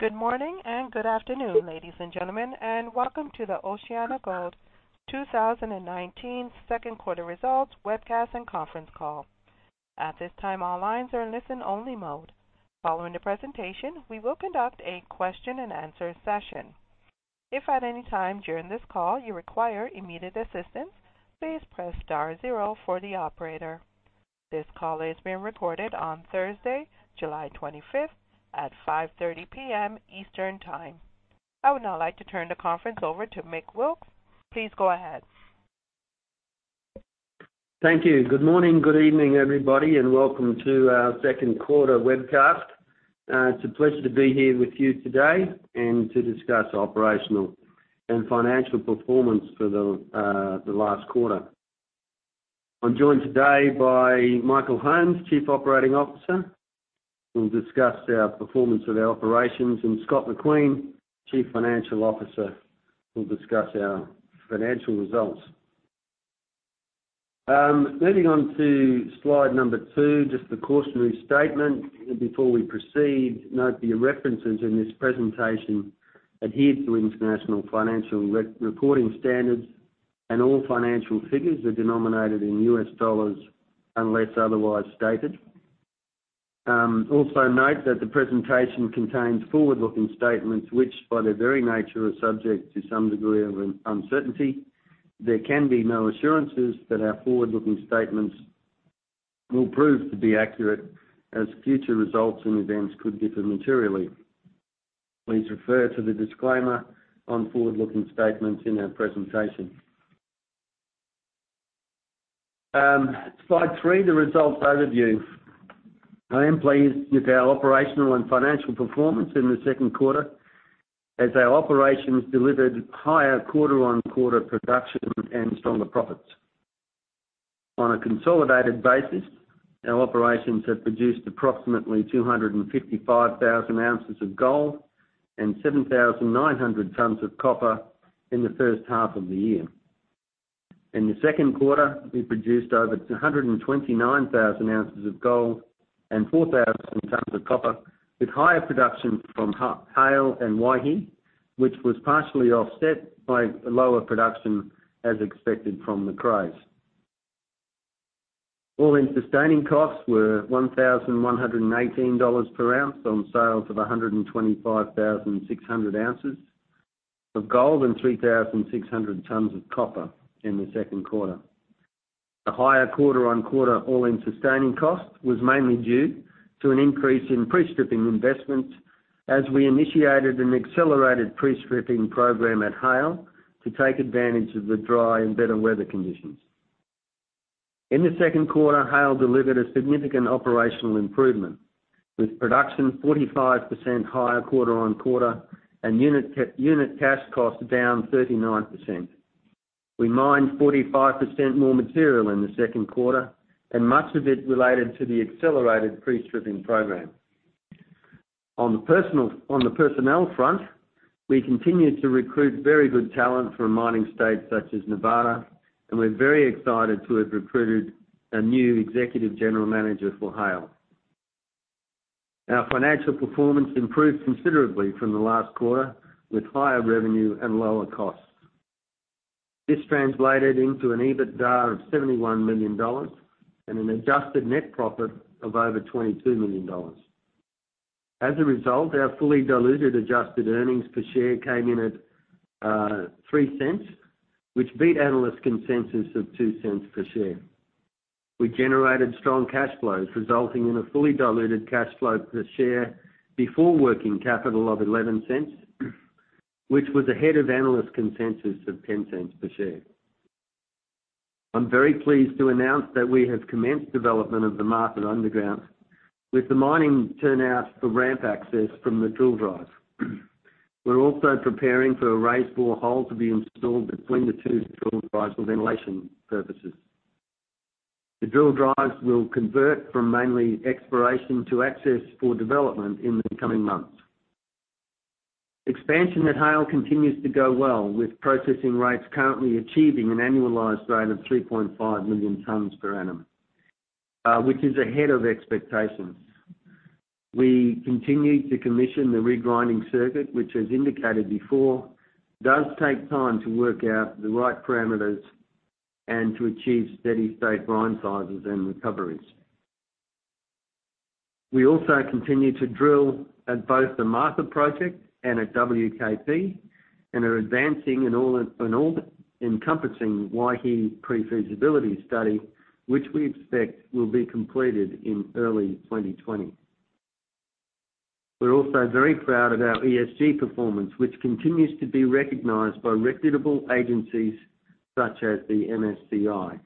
Good morning and good afternoon, ladies and gentlemen, and welcome to the OceanaGold 2019 second quarter results webcast and conference call. At this time, all lines are in listen only mode. Following the presentation, we will conduct a question and answer session. If at any time during this call you require immediate assistance, please press star zero for the operator. This call is being recorded on Thursday, July 25th at 5:30 P.M. Eastern Time. I would now like to turn the conference over to Mick Wilkes. Please go ahead. Thank you. Good morning, good evening, everybody, and welcome to our second quarter webcast. It's a pleasure to be here with you today and to discuss operational and financial performance for the last quarter. I am joined today by Michael Holmes, Chief Operating Officer, who will discuss our performance of our operations, Scott McQueen, Chief Financial Officer, who will discuss our financial results. Moving on to slide number two, just the cautionary statement before we proceed. Note the references in this presentation adhere to International Financial Reporting Standards. All financial figures are denominated in US dollars unless otherwise stated. Also note that the presentation contains forward-looking statements, which by their very nature are subject to some degree of uncertainty. There can be no assurances that our forward-looking statements will prove to be accurate, as future results and events could differ materially. Please refer to the disclaimer on forward-looking statements in our presentation. Slide 3, the results overview. I am pleased with our operational and financial performance in the second quarter, as our operations delivered higher quarter-on-quarter production and stronger profits. On a consolidated basis, our operations have produced approximately 255,000 ounces of gold and 7,900 tons of copper in the first half of the year. In the second quarter, we produced over 229,000 ounces of gold and 4,000 tons of copper, with higher production from Haile and Waihi, which was partially offset by lower production as expected from Macraes. all-in sustaining costs were $1,118 per ounce on sales of 125,600 ounces of gold and 3,600 tons of copper in the second quarter. The higher quarter-on-quarter all-in sustaining cost was mainly due to an increase in pre-stripping investments as we initiated an accelerated pre-stripping program at Haile to take advantage of the dry and better weather conditions. In the second quarter, Haile delivered a significant operational improvement, with production 45% higher quarter-on-quarter and unit cash cost down 39%. We mined 45% more material in the second quarter, and much of it related to the accelerated pre-stripping program. On the personnel front, we continued to recruit very good talent from mining states such as Nevada, and we're very excited to have recruited a new executive general manager for Haile. Our financial performance improved considerably from the last quarter, with higher revenue and lower costs. This translated into an EBITDA of $71 million and an adjusted net profit of over $22 million. As a result, our fully diluted adjusted earnings per share came in at $0.03, which beat analyst consensus of $0.02 per share. We generated strong cash flows, resulting in a fully diluted cash flow per share before working capital of $0.11, which was ahead of analyst consensus of $0.10 per share. I'm very pleased to announce that we have commenced development of the Martha underground, with the mining turnout for ramp access from the drill drives. We're also preparing for a raise bore hole to be installed between the two drill drives for ventilation purposes. The drill drives will convert from mainly exploration to access for development in the coming months. Expansion at Haile continues to go well, with processing rates currently achieving an annualized rate of 3.5 million tons per annum, which is ahead of expectations. We continue to commission the regrinding circuit, which, as indicated before, does take time to work out the right parameters and to achieve steady state grind sizes and recoveries. We also continue to drill at both the Martha project and at WKP and are advancing an all-encompassing Waihi pre-feasibility study, which we expect will be completed in early 2020. We are also very proud of our ESG performance, which continues to be recognized by reputable agencies such as the MSCI.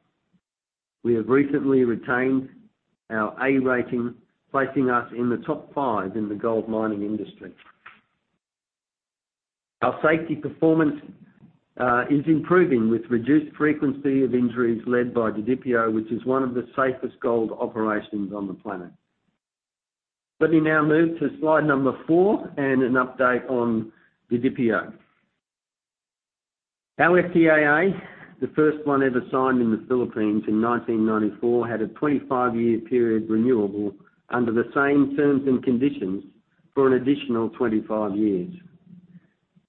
We have recently retained our A rating, placing us in the top five in the gold mining industry. Our safety performance is improving, with reduced frequency of injuries led by Didipio, which is one of the safest gold operations on the planet. Let me now move to slide number four and an update on Didipio. Our FTAA, the first one ever signed in the Philippines in 1994, had a 25-year period renewable under the same terms and conditions for an additional 25 years.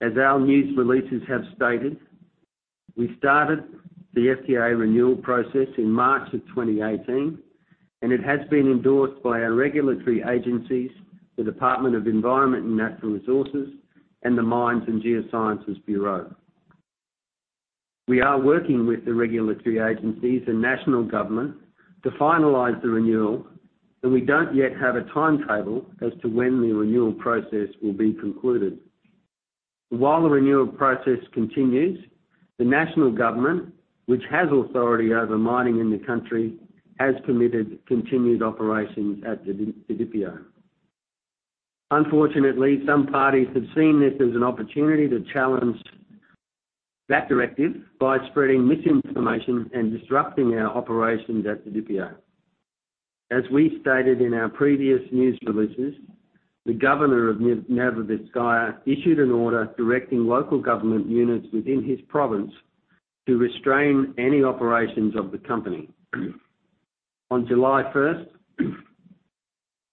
As our news releases have stated, we started the FTAA renewal process in March of 2018, and it has been endorsed by our regulatory agencies, the Department of Environment and Natural Resources, and the Mines and Geosciences Bureau. We are working with the regulatory agencies and national government to finalize the renewal, but we don't yet have a timetable as to when the renewal process will be concluded. While the renewal process continues, the national government, which has authority over mining in the country, has permitted continued operations at Didipio. Unfortunately, some parties have seen this as an opportunity to challenge that directive by spreading misinformation and disrupting our operations at Didipio. As we stated in our previous news releases, the governor of Nueva Vizcaya issued an order directing local government units within his province to restrain any operations of the company. On July 1st,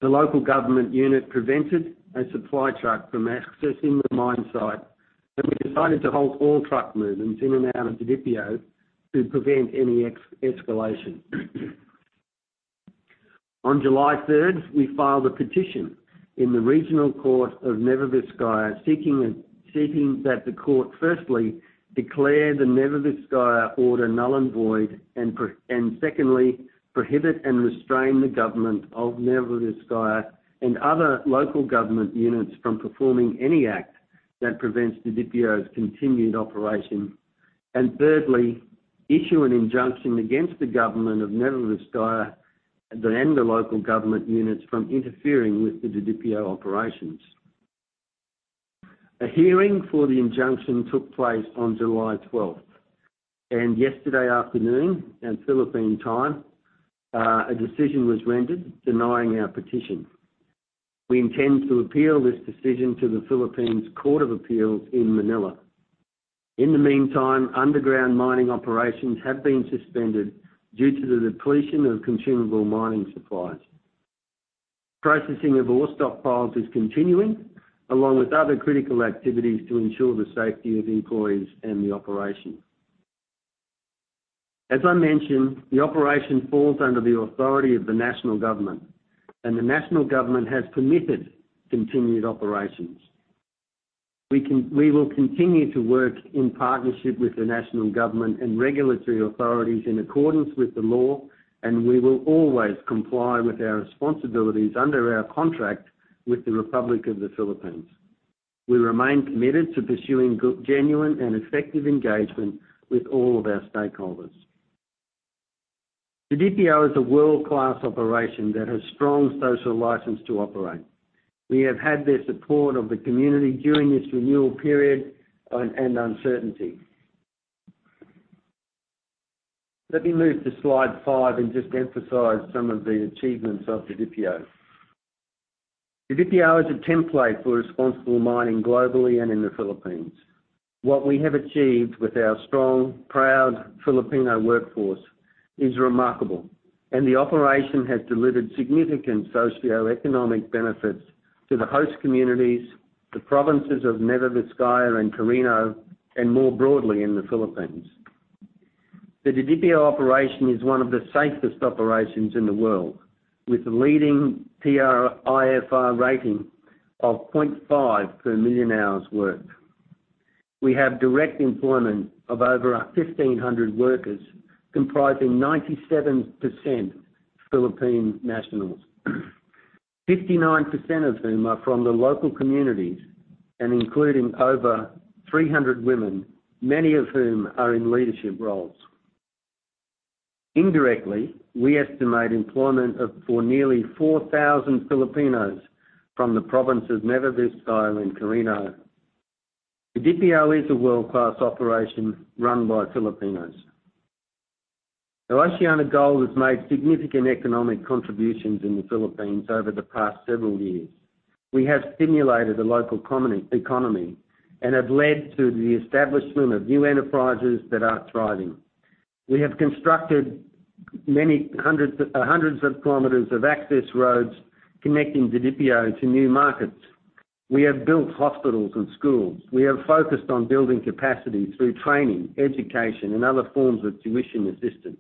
the local government unit prevented a supply truck from accessing the mine site, and we decided to halt all truck movements in and out of Didipio to prevent any escalation. On July 3rd, we filed a petition in the Regional Trial Court of Nueva Vizcaya, seeking that the court, firstly, declare the Nueva Vizcaya order null and void, and secondly, prohibit and restrain the government of Nueva Vizcaya and other local government units from performing any act that prevents Didipio's continued operation. Thirdly, issue an injunction against the government of Nueva Vizcaya and the local government units from interfering with the Didipio operations. A hearing for the injunction took place on July 12th, and yesterday afternoon, in Philippine time, a decision was rendered denying our petition. We intend to appeal this decision to the Philippines Court of Appeals in Manila. In the meantime, underground mining operations have been suspended due to the depletion of consumable mining supplies. Processing of ore stockpiles is continuing, along with other critical activities to ensure the safety of employees and the operation. As I mentioned, the operation falls under the authority of the national government, and the national government has permitted continued operations. We will continue to work in partnership with the national government and regulatory authorities in accordance with the law, and we will always comply with our responsibilities under our contract with the Republic of the Philippines. We remain committed to pursuing genuine and effective engagement with all of our stakeholders. Didipio is a world-class operation that has strong social license to operate. We have had the support of the community during this renewal period and uncertainty. Let me move to slide five and just emphasize some of the achievements of Didipio. Didipio is a template for responsible mining globally and in the Philippines. What we have achieved with our strong, proud Filipino workforce is remarkable, and the operation has delivered significant socioeconomic benefits to the host communities, the provinces of Nueva Vizcaya and Quirino, and more broadly in the Philippines. The Didipio operation is one of the safest operations in the world, with a leading TRIFR rating of 0.5 per million hours worked. We have direct employment of over 1,500 workers, comprising 97% Philippine nationals, 59% of whom are from the local communities and including over 300 women, many of whom are in leadership roles. Indirectly, we estimate employment for nearly 4,000 Filipinos from the provinces Nueva Vizcaya and Quirino. Didipio is a world-class operation run by Filipinos. OceanaGold has made significant economic contributions in the Philippines over the past several years. We have stimulated the local economy and have led to the establishment of new enterprises that are thriving. We have constructed hundreds of kilometers of access roads connecting Didipio to new markets. We have built hospitals and schools. We are focused on building capacity through training, education, and other forms of tuition assistance.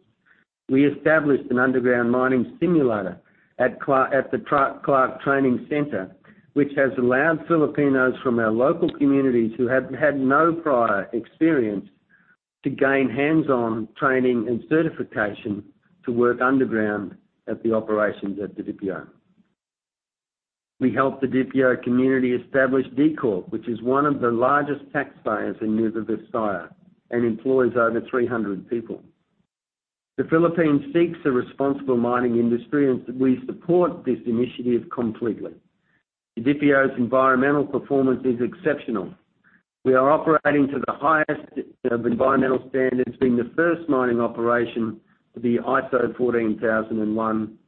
We established an underground mining simulator at the Clark Training Center, which has allowed Filipinos from our local communities who have had no prior experience to gain hands-on training and certification to work underground at the operations at Didipio. We helped Didipio community establish D Corp, which is one of the largest taxpayers in Nueva Vizcaya and employs over 300 people. The Philippines seeks a responsible mining industry. We support this initiative completely. Didipio's environmental performance is exceptional. We are operating to the highest of environmental standards, being the first mining operation to be ISO 14001,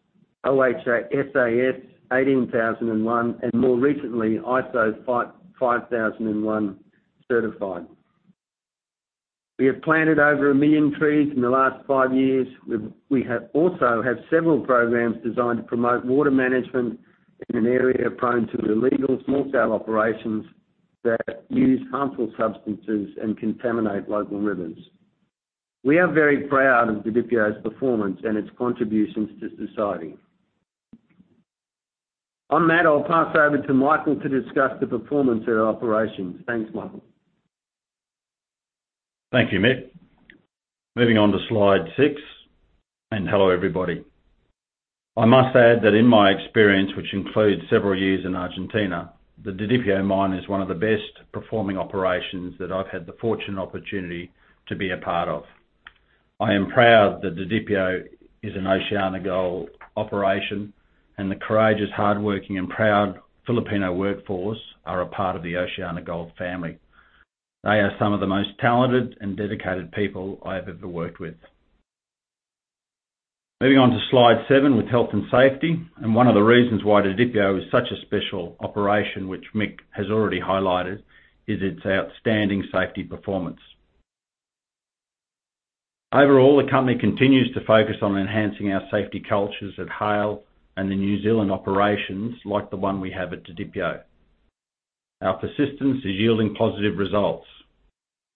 OHSAS 18001, and more recently, ISO 50001 certified. We have planted over a million trees in the last five years. We also have several programs designed to promote water management in an area prone to illegal small-scale operations that use harmful substances and contaminate local rivers. We are very proud of Didipio's performance and its contributions to society. On that, I'll pass over to Michael to discuss the performance of our operations. Thanks, Michael. Thank you, Mick. Moving on to Slide six, hello, everybody. I must add that in my experience, which includes several years in Argentina, the Didipio mine is one of the best-performing operations that I've had the fortune opportunity to be a part of. I am proud that Didipio is an OceanaGold operation, the courageous, hardworking, and proud Filipino workforce are a part of the OceanaGold family. They are some of the most talented and dedicated people I have ever worked with. Moving on to Slide seven with health and safety. One of the reasons why Didipio is such a special operation, which Mick has already highlighted, is its outstanding safety performance. Overall, the company continues to focus on enhancing our safety cultures at Haile and the New Zealand operations like the one we have at Didipio. Our persistence is yielding positive results.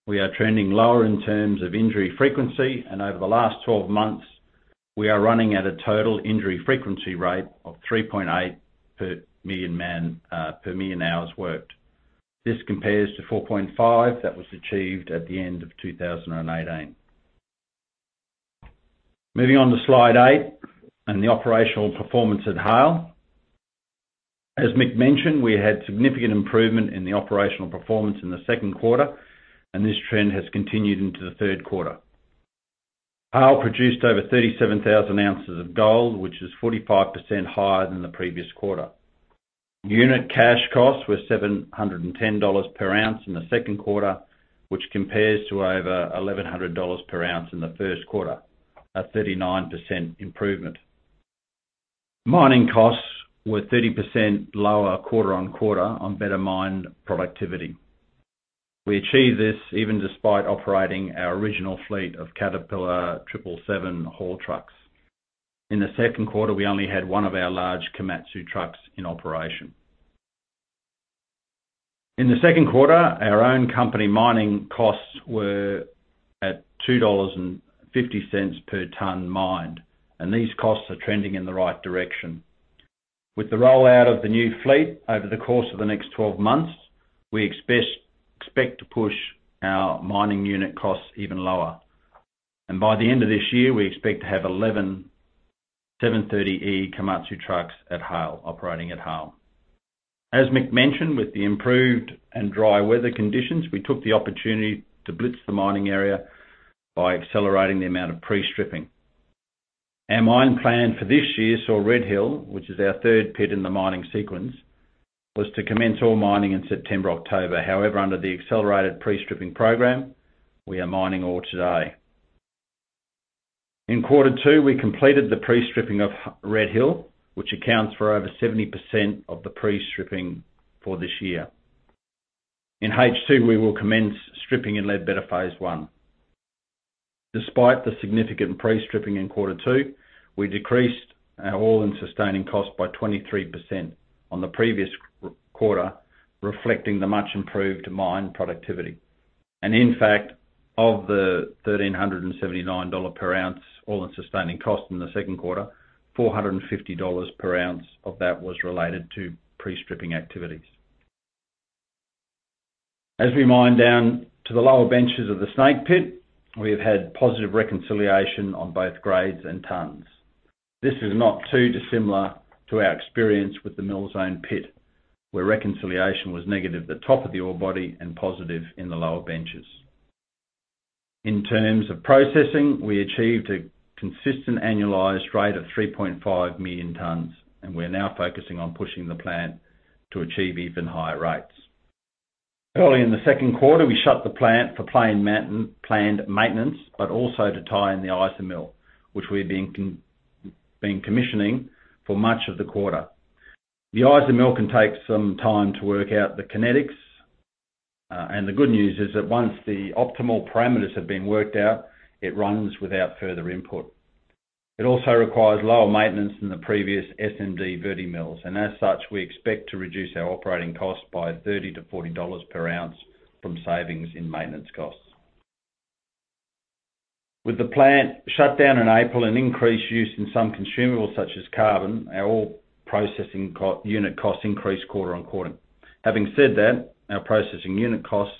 We are trending lower in terms of injury frequency, and over the last 12 months, we are running at a total injury frequency rate of 3.8 per million hours worked. This compares to 4.5 that was achieved at the end of 2018. Moving on to Slide eight and the operational performance at Haile. As Mick mentioned, we had significant improvement in the operational performance in the second quarter, and this trend has continued into the third quarter. Haile produced over 37,000 ounces of gold, which is 45% higher than the previous quarter. Unit cash costs were $710 per ounce in the second quarter, which compares to over $1,100 per ounce in the first quarter, a 39% improvement. Mining costs were 30% lower quarter-on-quarter on better mine productivity. We achieved this even despite operating our original fleet of Caterpillar 777 haul trucks. In the second quarter, we only had one of our large Komatsu trucks in operation. In the second quarter, our own company mining costs were at $2.50 per ton mined. These costs are trending in the right direction. With the rollout of the new fleet over the course of the next 12 months, we expect to push our mining unit costs even lower. By the end of this year, we expect to have 11 730E Komatsu trucks operating at Haile. As Mick mentioned, with the improved and dry weather conditions, we took the opportunity to blitz the mining area by accelerating the amount of pre-stripping. Our mine plan for this year saw Red Hill, which is our third pit in the mining sequence, was to commence ore mining in September, October. However, under the accelerated pre-stripping program, we are mining ore today. In quarter two, we completed the pre-stripping of Red Hill, which accounts for over 70% of the pre-stripping for this year. In H2, we will commence stripping and Ledbetter Phase One. Despite the significant pre-stripping in quarter two, we decreased our all-in sustaining costs by 23% on the previous quarter, reflecting the much improved mine productivity. In fact, of the $1,379 per ounce all-in sustaining costs in the second quarter, $450 per ounce of that was related to pre-stripping activities. As we mine down to the lower benches of the Snake Pit, we have had positive reconciliation on both grades and tons. This is not too dissimilar to our experience with the Mill Zone pit, where reconciliation was negative at the top of the ore body and positive in the lower benches. In terms of processing, we achieved a consistent annualized rate of 3.5 million tons, and we're now focusing on pushing the plant to achieve even higher rates. Early in the second quarter, we shut the plant for planned maintenance, but also to tie in the IsaMill, which we've been commissioning for much of the quarter. The IsaMill can take some time to work out the kinetics. The good news is that once the optimal parameters have been worked out, it runs without further input. It also requires lower maintenance than the previous SMD Vertimills, and as such, we expect to reduce our operating costs by $30-$40 per ounce from savings in maintenance costs. With the plant shut down in April and increased use in some consumables such as carbon, our ore processing unit costs increased quarter-on-quarter. Having said that, our processing unit costs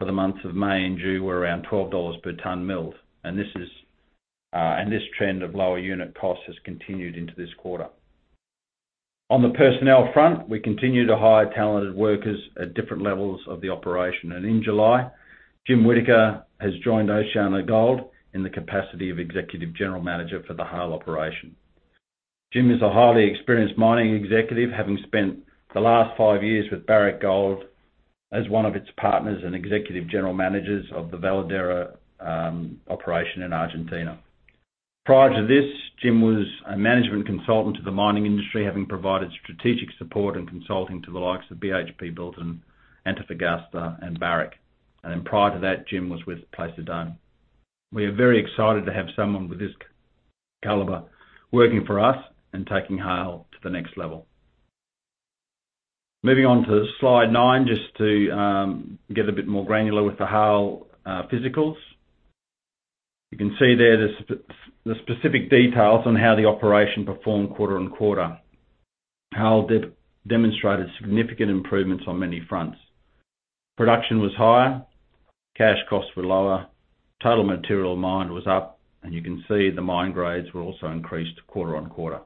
for the months of May and June were around $12 per ton milled. This trend of lower unit costs has continued into this quarter. On the personnel front, we continue to hire talented workers at different levels of the operation. In July, Jim Whittaker has joined OceanaGold in the capacity of Executive General Manager for the Haile operation. Jim is a highly experienced mining executive, having spent the last five years with Barrick Gold as one of its partners and executive general managers of the Veladero operation in Argentina. Prior to this, Jim was a management consultant to the mining industry, having provided strategic support and consulting to the likes of BHP Billiton, Antofagasta, and Barrick. Prior to that, Jim was with Placer Dome. We are very excited to have someone of this caliber working for us and taking Haile to the next level. Moving on to slide nine, just to get a bit more granular with the Haile physicals. You can see there the specific details on how the operation performed quarter-on-quarter. Haile demonstrated significant improvements on many fronts. Production was higher, cash costs were lower, total material mined was up, and you can see the mine grades were also increased quarter-on-quarter.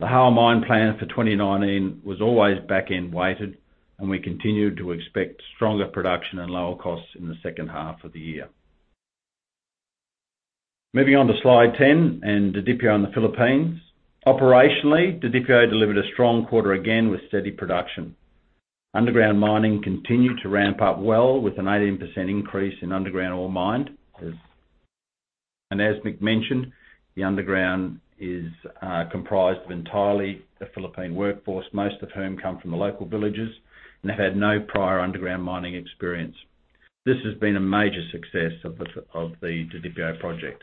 The Haile mine plan for 2019 was always back-end weighted, and we continued to expect stronger production and lower costs in the second half of the year. Moving on to slide 10 and Didipio in the Philippines. Operationally, Didipio delivered a strong quarter again with steady production. Underground mining continued to ramp up well with an 18% increase in underground ore mined. As Mick mentioned, the underground is comprised of entirely the Philippine workforce, most of whom come from the local villages and have had no prior underground mining experience. This has been a major success of the Didipio project.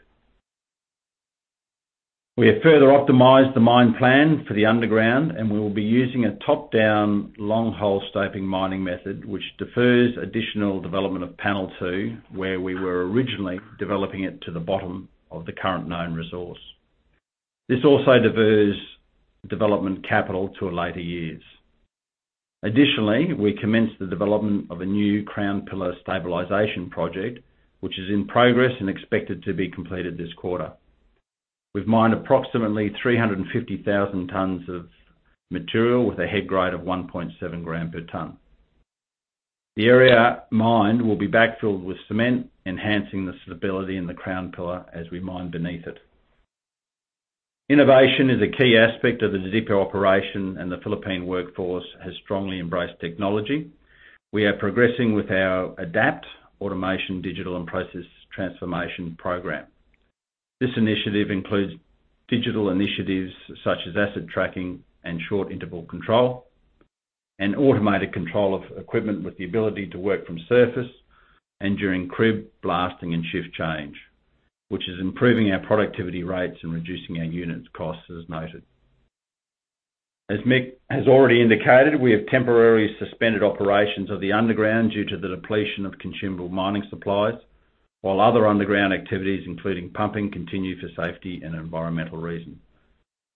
We have further optimized the mine plan for the underground, and we will be using a top-down long hole stoping mining method, which defers additional development of panel 2, where we were originally developing it to the bottom of the current known resource. This also defers development capital to later years. Additionally, we commenced the development of a new crown pillar stabilization project, which is in progress and expected to be completed this quarter. We've mined approximately 350,000 tons of material with a head grade of 1.7 gram per ton. The area mined will be backfilled with cement, enhancing the stability in the crown pillar as we mine beneath it. Innovation is a key aspect of the Didipio operation, and the Philippine workforce has strongly embraced technology. We are progressing with our ADAPT, Automation, Digital and Process Transformation program. This initiative includes digital initiatives such as asset tracking and short interval control, and automated control of equipment with the ability to work from surface and during crib blasting and shift change, which is improving our productivity rates and reducing our unit costs, as noted. As Mick has already indicated, we have temporarily suspended operations of the underground due to the depletion of consumable mining supplies, while other underground activities, including pumping, continue for safety and environmental reasons.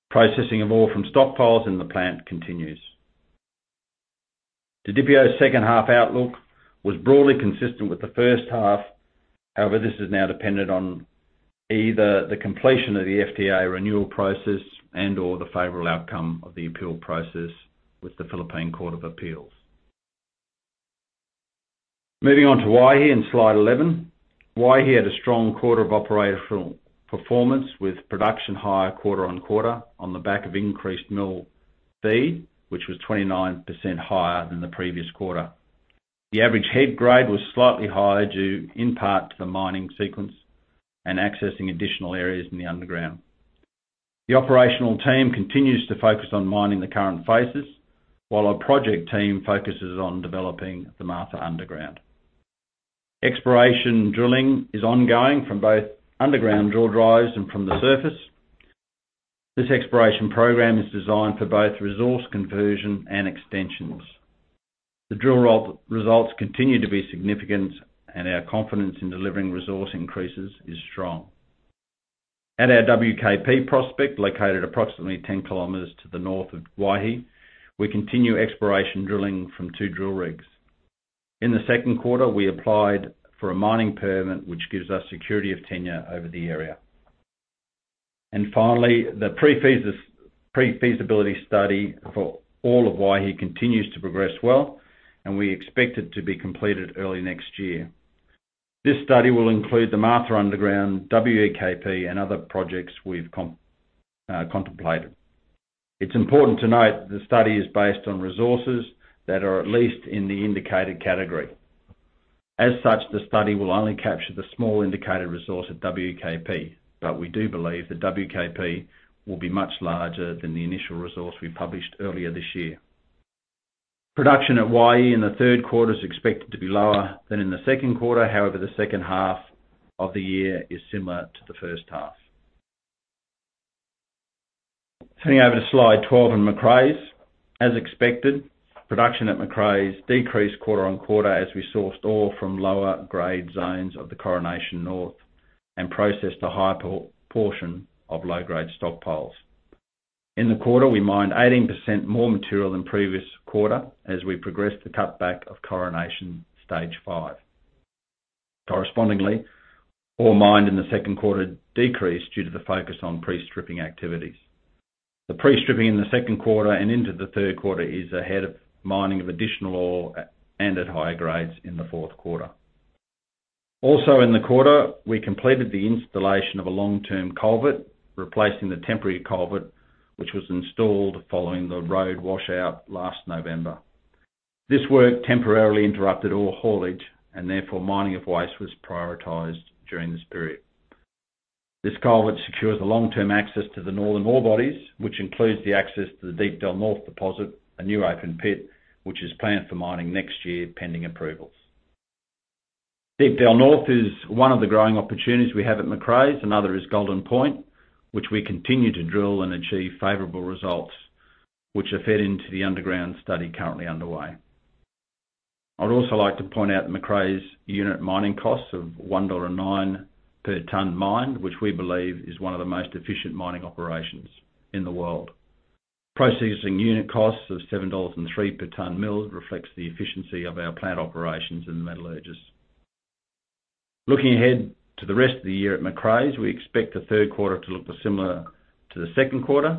Processing of ore from stockpiles in the plant continues. Didipio's second half outlook was broadly consistent with the first half. This is now dependent on either the completion of the FTAA renewal process and/or the favorable outcome of the appeal process with the Philippines Court of Appeals. Moving on to Waihi in slide 11. Waihi had a strong quarter of operational performance with production higher quarter-on-quarter on the back of increased mill feed, which was 29% higher than the previous quarter. The average head grade was slightly higher due in part to the mining sequence and accessing additional areas in the underground. The operational team continues to focus on mining the current faces, while our project team focuses on developing the Martha underground. Exploration drilling is ongoing from both underground drill drives and from the surface. This exploration program is designed for both resource conversion and extensions. The drill results continue to be significant, and our confidence in delivering resource increases is strong. At our WKP prospect, located approximately 10 kilometers to the north of Waihi, we continue exploration drilling from two drill rigs. In the second quarter, we applied for a mining permit, which gives us security of tenure over the area. Finally, the pre-feasibility study for all of Waihi continues to progress well, and we expect it to be completed early next year. This study will include the Martha underground, WKP, and other projects we've contemplated. It's important to note that the study is based on resources that are at least in the indicated category. As such, the study will only capture the small indicated resource at WKP, but we do believe that WKP will be much larger than the initial resource we published earlier this year. Production at Waihi in the third quarter is expected to be lower than in the second quarter. However, the second half of the year is similar to the first half. Turning over to slide 12 on Macraes. As expected, production at Macraes decreased quarter-on-quarter as we sourced ore from lower grade zones of the Coronation North and processed a high portion of low-grade stockpiles. In the quarter, we mined 18% more material than previous quarter as we progressed the cutback of Coronation Stage 5. Correspondingly, ore mined in the second quarter decreased due to the focus on pre-stripping activities. The pre-stripping in the second quarter and into the third quarter is ahead of mining of additional ore and at higher grades in the fourth quarter. Also in the quarter, we completed the installation of a long-term culvert, replacing the temporary culvert, which was installed following the road washout last November. This work temporarily interrupted all haulage, and therefore mining of waste was prioritized during this period. This culvert secures the long-term access to the northern ore bodies, which includes the access to the Deep Dell North deposit, a new open pit, which is planned for mining next year, pending approvals. Deep Dell North is one of the growing opportunities we have at Macraes. Another is Golden Point, which we continue to drill and achieve favorable results, which are fed into the underground study currently underway. I'd also like to point out Macraes' unit mining costs of $1.09 per ton mined, which we believe is one of the most efficient mining operations in the world. Processing unit costs of $7.03 per ton milled reflects the efficiency of our plant operations and metallurgists. Looking ahead to the rest of the year at Macraes, we expect the third quarter to look similar to the second quarter.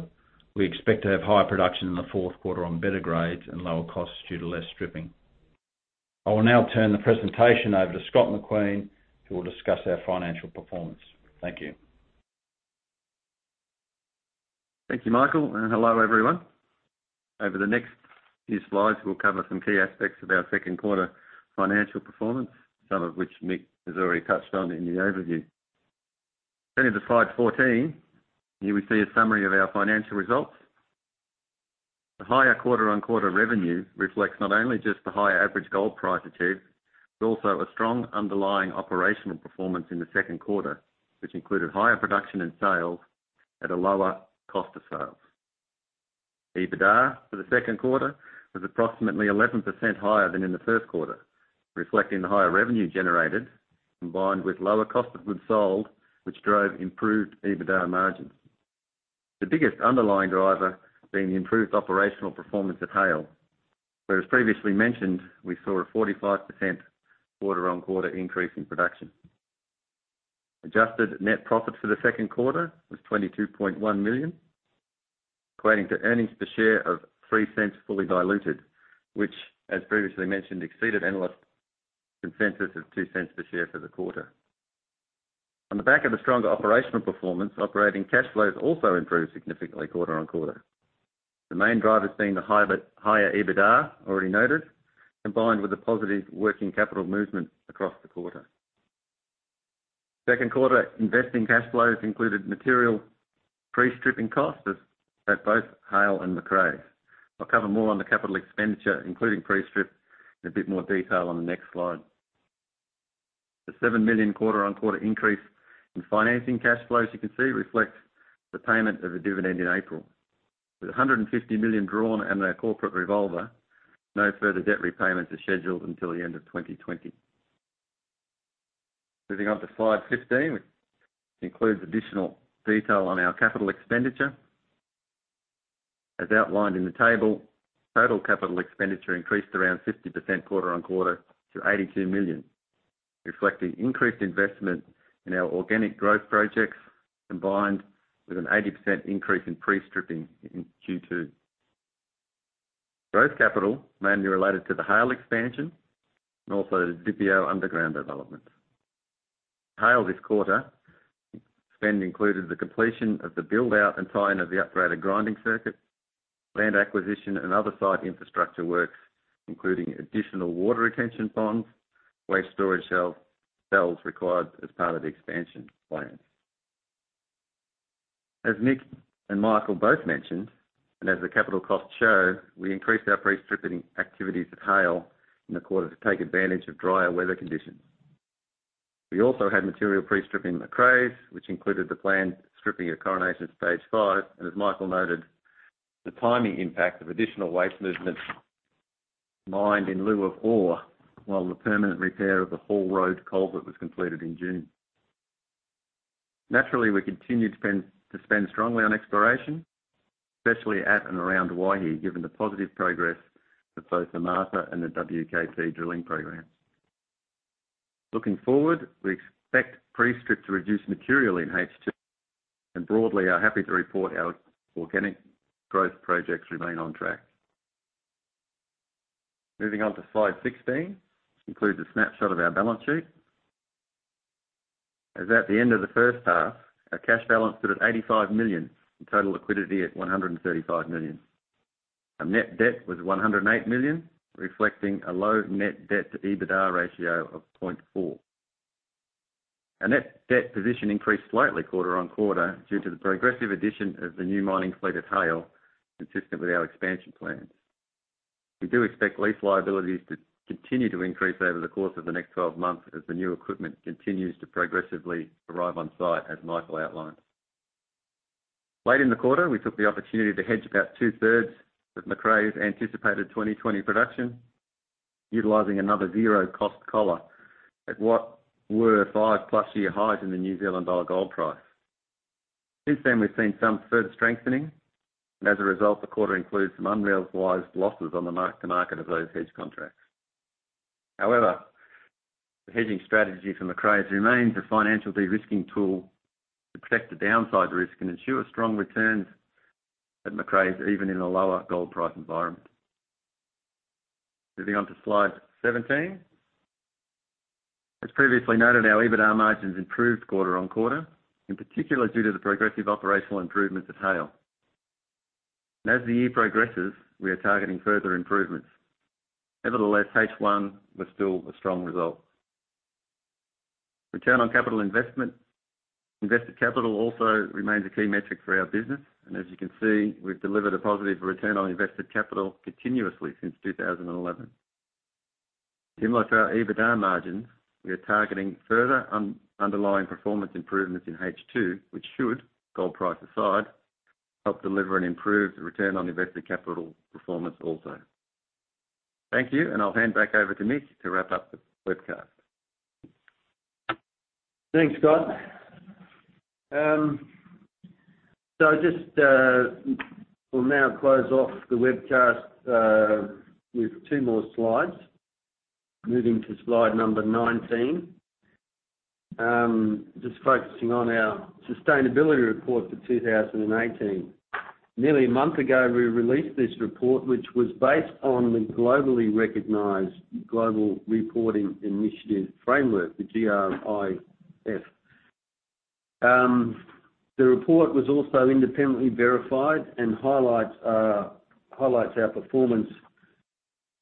We expect to have higher production in the fourth quarter on better grades and lower costs due to less stripping. I will now turn the presentation over to Scott McQueen, who will discuss our financial performance. Thank you. Thank you, Michael, and hello, everyone. Over the next few slides, we'll cover some key aspects of our second quarter financial performance, some of which Mick has already touched on in the overview. Turning to slide 14, here we see a summary of our financial results. The higher quarter-on-quarter revenue reflects not only just the higher average gold price achieved, but also a strong underlying operational performance in the second quarter, which included higher production and sales at a lower cost of sales. EBITDA for the second quarter was approximately 11% higher than in the first quarter, reflecting the higher revenue generated, combined with lower cost of goods sold, which drove improved EBITDA margins. The biggest underlying driver being the improved operational performance at Haile. Where, as previously mentioned, we saw a 45% quarter-on-quarter increase in production. Adjusted net profit for the second quarter was $22.1 million, equating to earnings per share of $0.03 fully diluted, which, as previously mentioned, exceeded analyst consensus of $0.02 per share for the quarter. On the back of a stronger operational performance, operating cash flows also improved significantly quarter-on-quarter. The main drivers being the higher EBITDA already noted, combined with the positive working capital movement across the quarter. Second quarter investing cash flows included material pre-stripping costs at both Haile and Macraes. I'll cover more on the capital expenditure, including pre-strip in a bit more detail on the next slide. The $7 million quarter-on-quarter increase in financing cash flows, you can see, reflects the payment of a dividend in April. With $150 million drawn in our corporate revolver, no further debt repayments are scheduled until the end of 2020. Moving on to slide 15, which includes additional detail on our capital expenditure. As outlined in the table, total capital expenditure increased around 50% quarter-on-quarter to $82 million, reflecting increased investment in our organic growth projects, combined with an 80% increase in pre-stripping in Q2. Growth capital mainly related to the Haile expansion and also the Didipio underground development. Haile this quarter, spend included the completion of the build-out and tie-in of the upgraded grinding circuit, land acquisition, and other site infrastructure works, including additional water retention ponds, waste storage cells required as part of the expansion plans. As Mick and Michael both mentioned, and as the capital costs show, we increased our pre-stripping activities at Haile in the quarter to take advantage of drier weather conditions. We also had material pre-stripping Macraes, which included the planned stripping of Coronation Stage 5, and as Michael noted, the timing impact of additional waste movement mined in lieu of ore while the permanent repair of the haul road culvert was completed in June. Naturally, we continued to spend strongly on exploration, especially at and around Waihi, given the positive progress for both the Martha and the WKP drilling programs. Looking forward, we expect pre-strip to reduce materially in H2, and broadly are happy to report our organic growth projects remain on track. Moving on to slide 16, includes a snapshot of our balance sheet. As at the end of the first half, our cash balance stood at $85 million, and total liquidity at $135 million. Our net debt was $108 million, reflecting a low net debt to EBITDA ratio of 0.4. Our net debt position increased slightly quarter on quarter due to the progressive addition of the new mining fleet at Haile, consistent with our expansion plans. We do expect lease liabilities to continue to increase over the course of the next 12 months as the new equipment continues to progressively arrive on site, as Michael outlined. Late in the quarter, we took the opportunity to hedge about two-thirds of Macraes' anticipated 2020 production, utilizing another zero-cost collar at what were five-plus year highs in the New Zealand dollar gold price. Since then, we've seen some further strengthening, and as a result, the quarter includes some unrealized losses on the mark to market of those hedge contracts. However, the hedging strategy for Macraes remains a financial de-risking tool to protect the downside risk and ensure strong returns at Macraes, even in a lower gold price environment. Moving on to slide 17. As previously noted, our EBITDA margins improved quarter on quarter, in particular due to the progressive operational improvements at Haile. As the year progresses, we are targeting further improvements. Nevertheless, H1 was still a strong result. Return on capital investment. Invested capital also remains a key metric for our business, and as you can see, we've delivered a positive return on invested capital continuously since 2011. Similar to our EBITDA margins, we are targeting further underlying performance improvements in H2, which should, gold price aside, help deliver an improved return on invested capital performance also. Thank you, and I'll hand back over to Mick to wrap up the webcast. Thanks, Scott. We'll now close off the webcast with two more slides. Moving to slide number 19, just focusing on our sustainability report for 2018. Nearly a month ago, we released this report, which was based on the globally recognized Global Reporting Initiative framework, the GRI. The report was also independently verified and highlights our performance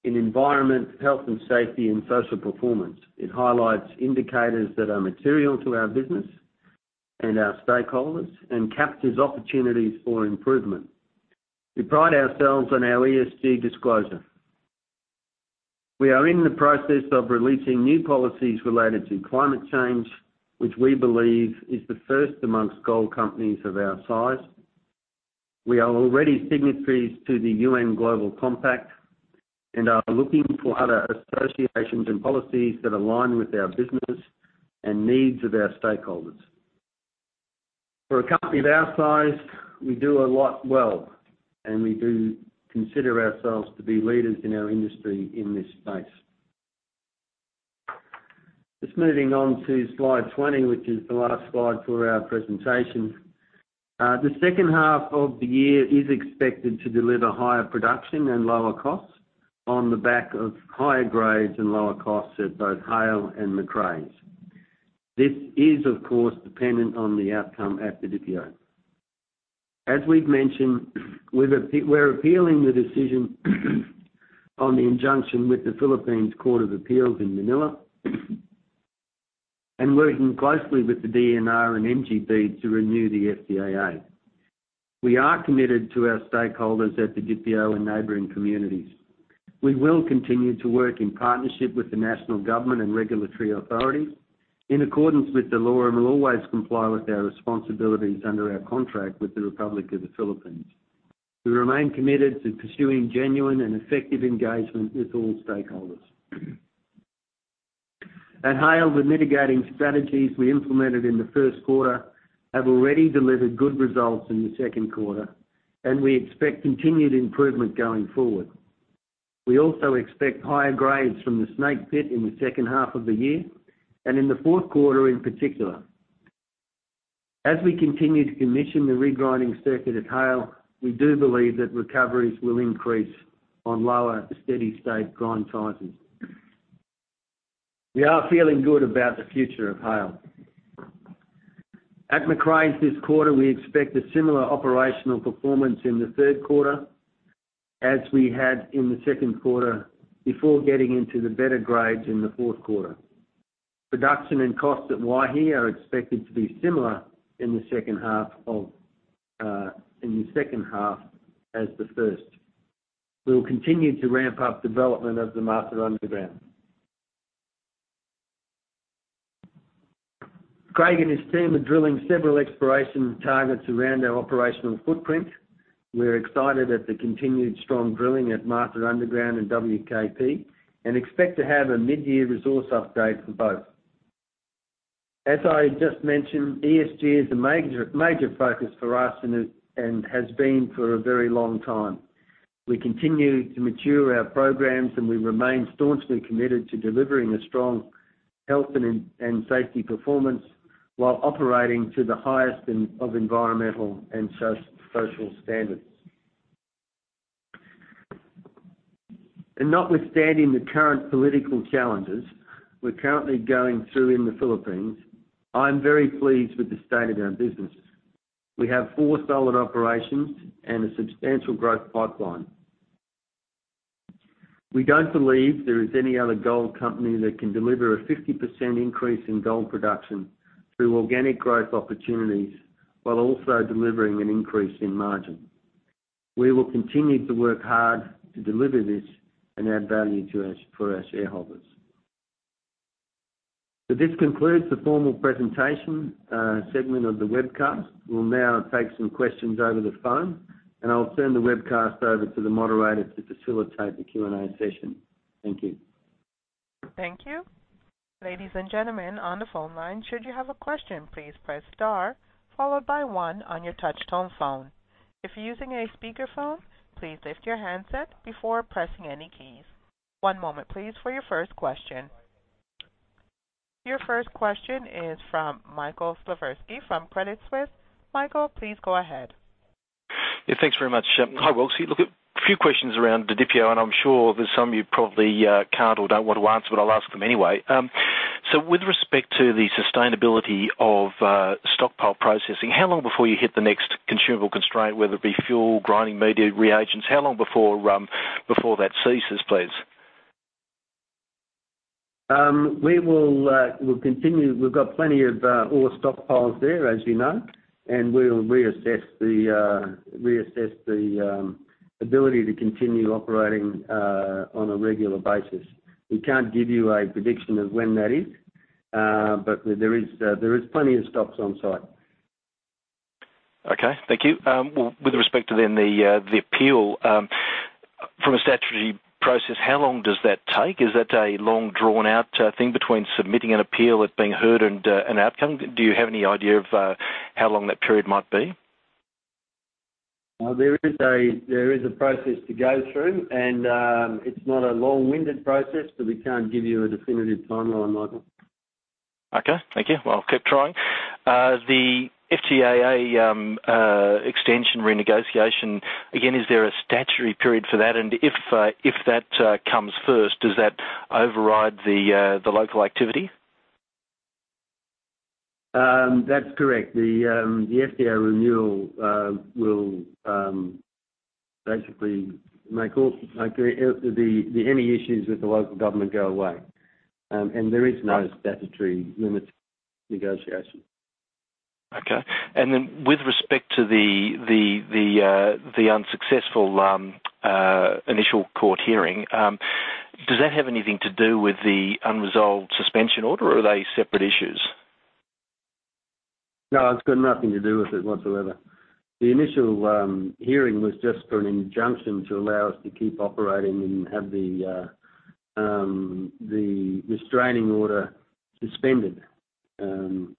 in environment, health and safety, and social performance. It highlights indicators that are material to our business and our stakeholders and captures opportunities for improvement. We pride ourselves on our ESG disclosure. We are in the process of releasing new policies related to climate change, which we believe is the first amongst gold companies of our size. We are already signatories to the UN Global Compact and are looking for other associations and policies that align with our business and needs of our stakeholders. For a company of our size, we do a lot well, and we do consider ourselves to be leaders in our industry in this space. Just moving on to slide 20, which is the last slide for our presentation. The second half of the year is expected to deliver higher production and lower costs on the back of higher grades and lower costs at both Haile and Macraes. This is, of course, dependent on the outcome at Didipio. As we've mentioned, we're appealing the decision on the injunction with the Philippines Court of Appeals in Manila and working closely with the DENR and MGB to renew the FTAA. We are committed to our stakeholders at Didipio and neighboring communities. We will continue to work in partnership with the national government and regulatory authorities in accordance with the law, we'll always comply with our responsibilities under our contract with the Republic of the Philippines. We remain committed to pursuing genuine and effective engagement with all stakeholders. At Haile, the mitigating strategies we implemented in the first quarter have already delivered good results in the second quarter, we expect continued improvement going forward. We also expect higher grades from the Snake Pit in the second half of the year, in the fourth quarter in particular. As we continue to commission the regrinding circuit at Haile, we do believe that recoveries will increase on lower steady state grind sizes. We are feeling good about the future of Haile. At Macraes this quarter, we expect a similar operational performance in the third quarter as we had in the second quarter, before getting into the better grades in the fourth quarter. Production and costs at Waihi are expected to be similar in the second half as the first. We will continue to ramp up development of the Martha underground. Craig and his team are drilling several exploration targets around our operational footprint. We're excited at the continued strong drilling at Martha underground and WKP, and expect to have a mid-year resource upgrade for both. As I just mentioned, ESG is a major focus for us and has been for a very long time. We continue to mature our programs, we remain staunchly committed to delivering a strong health and safety performance while operating to the highest of environmental and social standards. Notwithstanding the current political challenges we're currently going through in the Philippines, I am very pleased with the state of our business. We have four solid operations and a substantial growth pipeline. We don't believe there is any other gold company that can deliver a 50% increase in gold production through organic growth opportunities while also delivering an increase in margin. We will continue to work hard to deliver this and add value for our shareholders. This concludes the formal presentation segment of the webcast. We'll now take some questions over the phone, and I'll turn the webcast over to the moderator to facilitate the Q&A session. Thank you. Thank you. Ladies and gentlemen on the phone line, should you have a question, please press star followed by one on your touch tone phone. If you're using a speakerphone, please lift your handset before pressing any keys. One moment please for your first question. Your first question is from Michael Slifirski from Credit Suisse. Michael, please go ahead. Thanks very much. Hi, Wilkes. Look, a few questions around Didipio. I'm sure there's some you probably can't or don't want to answer. I'll ask them anyway. With respect to the sustainability of stockpile processing, how long before you hit the next consumable constraint, whether it be fuel, grinding media, reagents? How long before that ceases, please? We'll continue. We've got plenty of ore stockpiles there, as you know, and we'll reassess the ability to continue operating on a regular basis. We can't give you a prediction of when that is, but there is plenty of stocks on site. Okay. Thank you. Well, with respect to then the appeal, from a statutory process, how long does that take? Is that a long, drawn-out thing between submitting an appeal, it being heard, and an outcome? Do you have any idea of how long that period might be? There is a process to go through, and it's not a long-winded process, but we can't give you a definitive timeline, Michael. Okay. Thank you. Well, I'll keep trying. The FTAA extension renegotiation, again, is there a statutory period for that? If that comes first, does that override the local activity? That's correct. The FTAA renewal will basically make any issues with the local government go away. There is no statutory limit to negotiation. Okay. With respect to the unsuccessful initial court hearing, does that have anything to do with the unresolved suspension order, or are they separate issues? No, it's got nothing to do with it whatsoever. The initial hearing was just for an injunction to allow us to keep operating and have the restraining order suspended. That's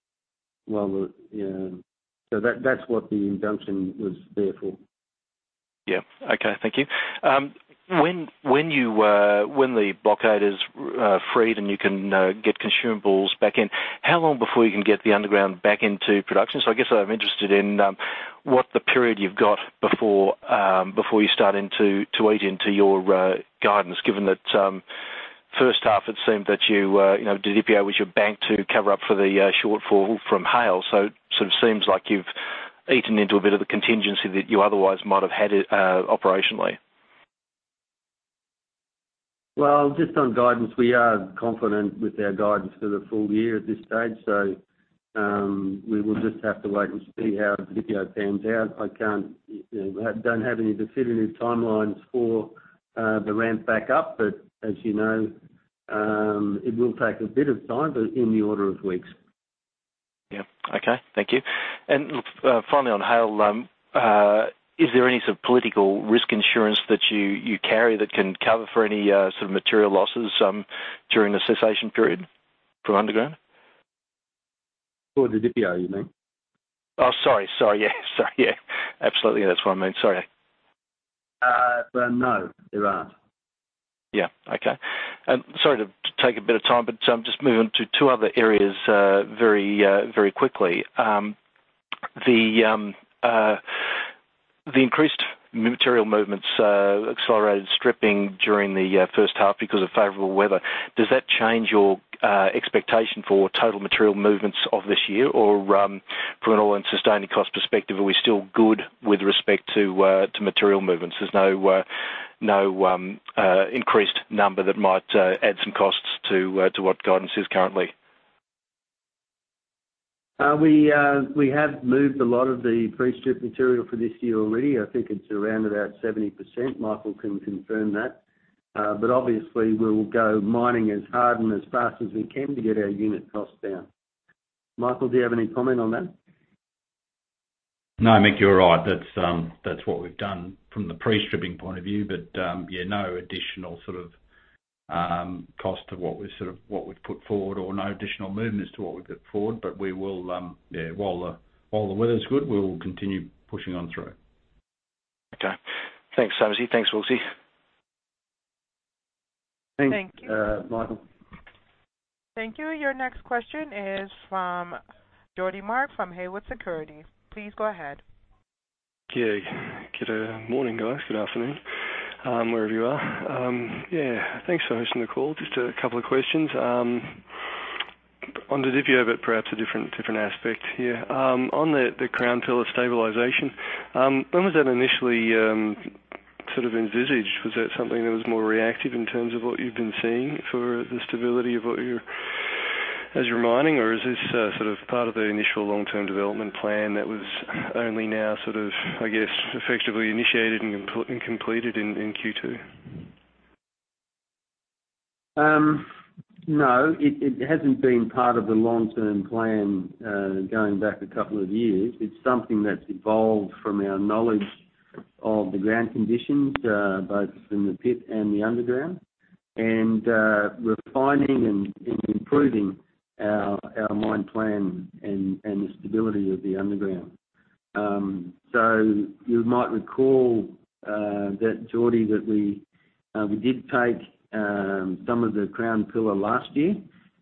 what the injunction was there for. Yeah. Okay. Thank you. When the blockade is freed and you can get consumables back in, how long before you can get the underground back into production? I guess I'm interested in what the period you've got before you start to eat into your guidance, given that first half it seemed that Didipio was your bank to cover up for the shortfall from Haile. Sort of seems like you've eaten into a bit of the contingency that you otherwise might have had operationally. Just on guidance, we are confident with our guidance for the full year at this stage. We will just have to wait and see how Didipio pans out. I don't have any definitive timelines for the ramp back up. As you know, it will take a bit of time, but in the order of weeks. Yeah. Okay. Thank you. Look, finally on Haile, is there any sort of political risk insurance that you carry that can cover for any sort of material losses during the cessation period for underground? For Didipio, you mean? Oh, sorry. Yeah. Absolutely. That's what I meant. Sorry. No, there aren't. Yeah. Okay. Sorry to take a bit of time, just moving to two other areas very quickly. The increased material movements, accelerated stripping during the first half because of favorable weather, does that change your expectation for total material movements of this year? From an all-in sustaining cost perspective, are we still good with respect to material movements? There's no increased number that might add some costs to what guidance is currently? We have moved a lot of the pre-strip material for this year already. I think it's around about 70%. Michael can confirm that. Obviously, we'll go mining as hard and as fast as we can to get our unit costs down. Michael, do you have any comment on that? No, Mick, you're right. That's what we've done from the pre-stripping point of view. Yeah, no additional sort of cost to what we've put forward or no additional movement as to what we've put forward. While the weather's good, we'll continue pushing on through. Okay. Thanks. [inaudible] Thanks, Wilkes. Thanks, Michael. Thank you. Your next question is from Geordie Mark from Haywood Securities. Please go ahead. Good morning, guys. Good afternoon, wherever you are. Thanks for hosting the call. Just a couple of questions. On Didipio, perhaps a different aspect here. On the crown pillar stabilization, when was that initially sort of envisaged? Was that something that was more reactive in terms of what you've been seeing for the stability of as you're mining, or is this sort of part of the initial long-term development plan that was only now sort of, I guess, effectively initiated and completed in Q2? No, it hasn't been part of the long-term plan going back a couple of years. It's something that's evolved from our knowledge of the ground conditions, both in the pit and the underground, and refining and improving our mine plan and the stability of the underground. You might recall that, Geordie, that we did take some of the crown pillar last year,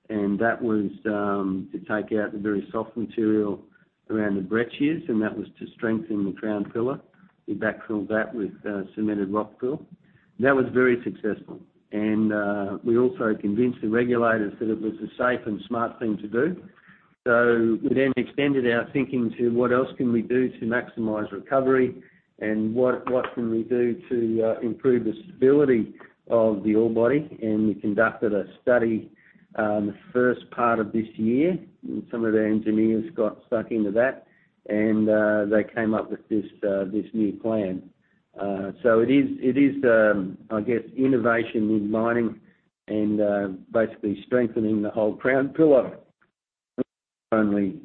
and that was to take out the very soft material around the breccias, and that was to strengthen the crown pillar. We backfilled that with cemented rock fill. That was very successful. We also convinced the regulators that it was a safe and smart thing to do. We then extended our thinking to what else can we do to maximize recovery and what can we do to improve the stability of the ore body. We conducted a study in the first part of this year, and some of the engineers got stuck into that, and they came up with this new plan. It is, I guess, innovation in mining and basically strengthening the whole crown pillar. Not only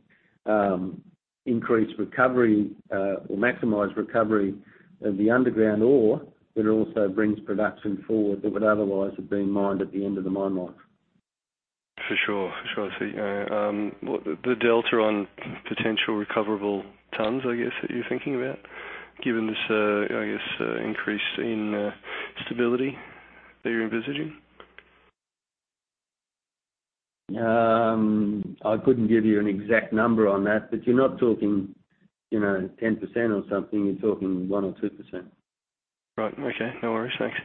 increase recovery or maximize recovery of the underground ore, but it also brings production forward that would otherwise have been mined at the end of the mine life. For sure. I see. The delta on potential recoverable tons, I guess, that you're thinking about, given this, I guess, increase in stability that you're envisaging? I couldn't give you an exact number on that, but you're not talking 10% or something. You're talking 1% or 2%. Right. Okay. No worries. Thanks.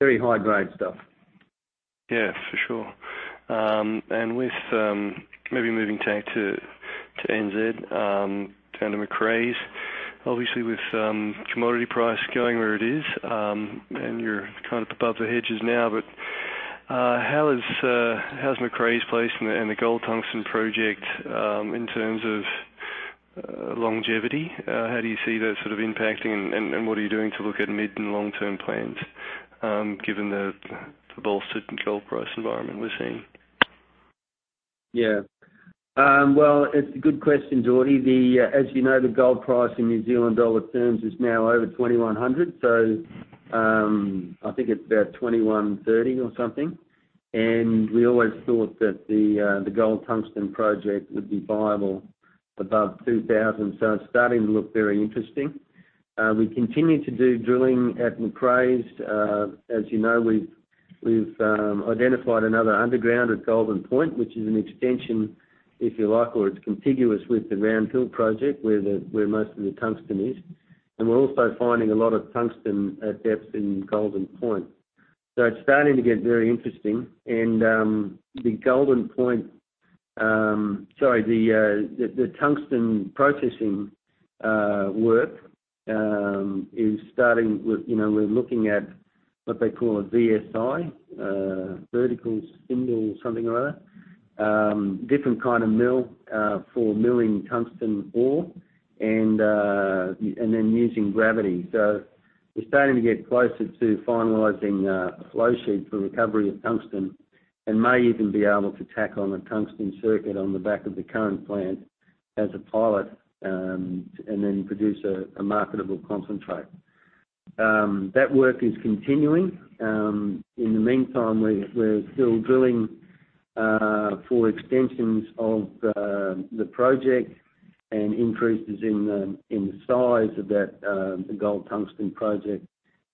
Very high-grade stuff. Yeah, for sure. Moving to NZ, down to Macraes. With commodity price going where it is, and you're above the hedges now, how's Macraes placed and the gold tungsten project in terms of longevity? How do you see that sort of impacting and what are you doing to look at mid and long-term plans, given the bolstered gold price environment we're seeing? Yeah. Well, it's a good question, Geordie. As you know, the gold price in New Zealand dollar terms is now over 2,100. I think it's about 2,130 or something. We always thought that the gold tungsten project would be viable above 2,000, so it's starting to look very interesting. We continue to do drilling at Macraes. As you know, we've identified another underground at Golden Point, which is an extension, if you like, or it's contiguous with the Round Hill project, where most of the tungsten is. We're also finding a lot of tungsten at depth in Golden Point. It's starting to get very interesting. The tungsten processing work is starting with, we're looking at what they call a VSI, vertical spindle something or other. Different kind of mill for milling tungsten ore and then using gravity. We're starting to get closer to finalizing a flowsheet for recovery of tungsten, and may even be able to tack on a tungsten circuit on the back of the current plant as a pilot, and then produce a marketable concentrate. That work is continuing. In the meantime, we're still drilling for extensions of the project and increases in the size of that gold tungsten project,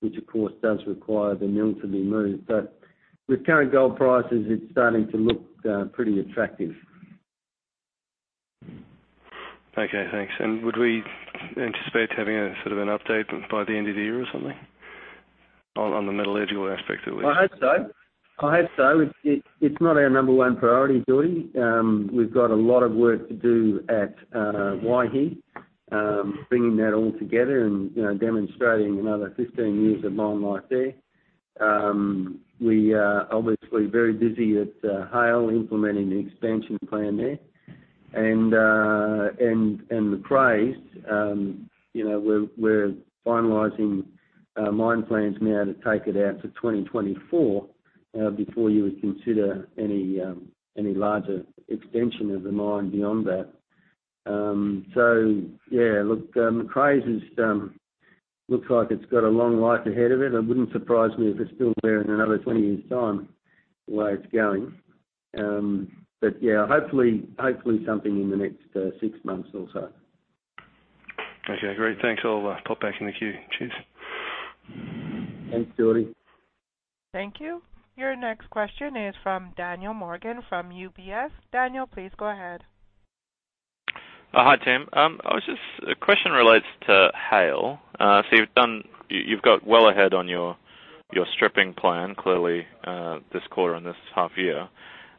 which, of course, does require the mill to be moved. With current gold prices, it's starting to look pretty attractive. Okay, thanks. Would we anticipate having a sort of an update by the end of the year or something on the metallurgical aspect, at least? I hope so. It's not our number one priority, Geordie. We've got a lot of work to do at Waihi. Bringing that all together and demonstrating another 15 years of mine life there. We are obviously very busy at Haile implementing the expansion plan there. Macraes, we're finalizing mine plans now to take it out to 2024, before you would consider any larger extension of the mine beyond that. Yeah, look, Macraes looks like it's got a long life ahead of it. It wouldn't surprise me if it's still there in another 20 years' time, the way it's going. Yeah, hopefully something in the next six months or so. Okay, great. Thanks. I'll pop back in the queue. Cheers. Thanks, Geordie. Thank you. Your next question is from Daniel Morgan from UBS. Daniel, please go ahead. Hi, Tim. The question relates to Haile. You've got well ahead on your stripping plan, clearly, this quarter and this half year.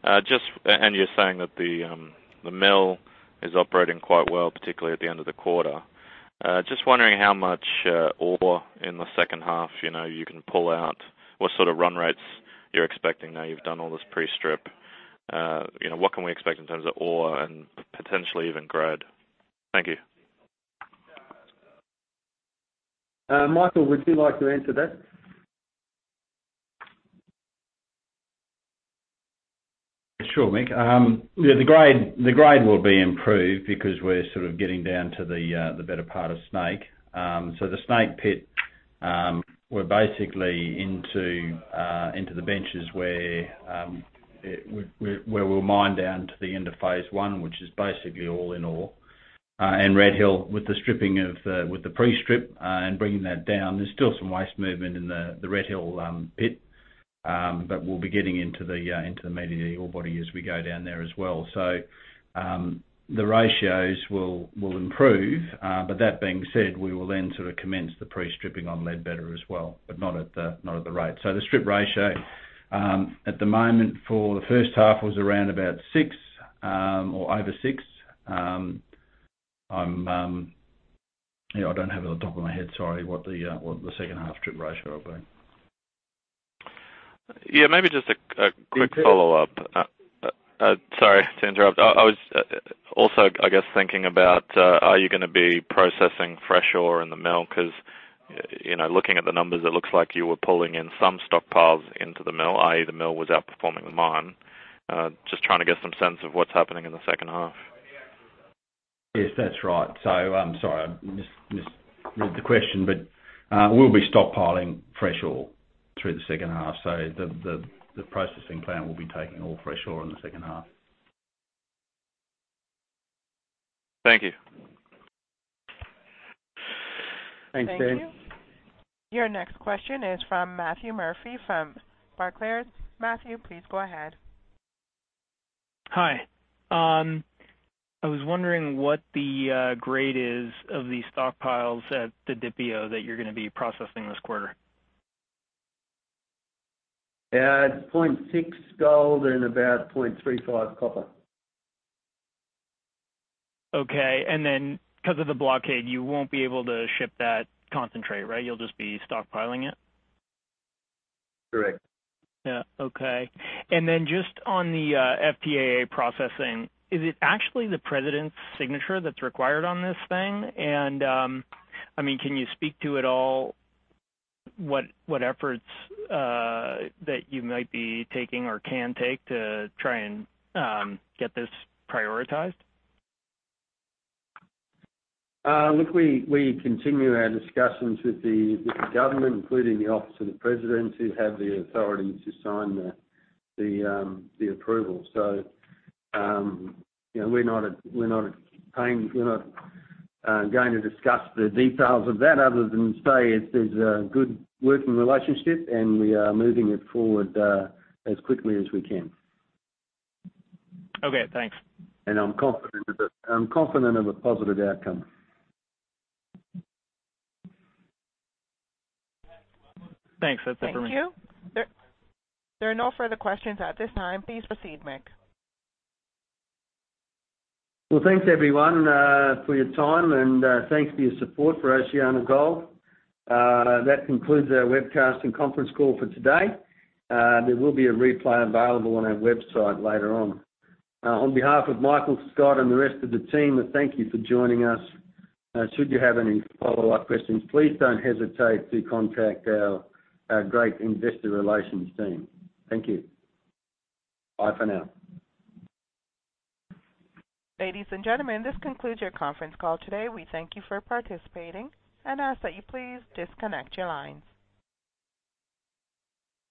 You're saying that the mill is operating quite well, particularly at the end of the quarter. Just wondering how much ore in the second half you can pull out, what sort of run rates you're expecting now you've done all this pre-strip. What can we expect in terms of ore and potentially even grade? Thank you. Michael, would you like to answer that? Sure, Mick. The grade will be improved because we're sort of getting down to the better part of snake, the snake pit. We're basically into the benches where we'll mine down to the end of phase one, which is basically all in ore. Red Hill, with the pre-strip and bringing that down, there's still some waste movement in the Red Hill pit, but we'll be getting into the meaty ore body as we go down there as well. The ratios will improve. That being said, we will then sort of commence the pre-stripping on Ledbetter as well, but not at the rate. The strip ratio at the moment for the first half was around about six or over six. I don't have it at the top of my head, sorry, what the second half strip ratio will be. Yeah, maybe just a quick follow-up. Do you- Sorry to interrupt. I was also, I guess, thinking about are you going to be processing fresh ore in the mill? Looking at the numbers, it looks like you were pulling in some stockpiles into the mill, i.e., the mill was outperforming the mine. Just trying to get some sense of what's happening in the second half. Yes, that's right. I'm sorry, I misread the question, but we'll be stockpiling fresh ore through the second half. The processing plant will be taking all fresh ore in the second half. Thank you. Thanks, James. Thank you. Your next question is from Matthew Murphy from Barclays. Matthew, please go ahead. Hi. I was wondering what the grade is of the stockpiles at the Didipio that you're going to be processing this quarter? It's 0.6 gold and about 0.35 copper. Okay. Because of the blockade, you won't be able to ship that concentrate, right? You'll just be stockpiling it? Correct. Yeah. Okay. Just on the FTAA processing, is it actually the president's signature that's required on this thing? Can you speak to at all what efforts that you might be taking or can take to try and get this prioritized? Look, we continue our discussions with the government, including the office of the president, who have the authority to sign the approval. We're not going to discuss the details of that other than say there's a good working relationship, and we are moving it forward as quickly as we can. Okay, thanks. I'm confident of a positive outcome. Thanks. That's it for me. Thank you. There are no further questions at this time. Please proceed, Mick. Well, thanks everyone for your time, and thanks for your support for OceanaGold. That concludes our webcast and conference call for today. There will be a replay available on our website later on. On behalf of Michael, Scott, and the rest of the team, thank you for joining us. Should you have any follow-up questions, please don't hesitate to contact our great investor relations team. Thank you. Bye for now. Ladies and gentlemen, this concludes your conference call today. We thank you for participating and ask that you please disconnect your lines.